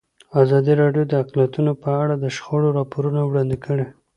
ازادي راډیو د اقلیتونه په اړه د شخړو راپورونه وړاندې کړي.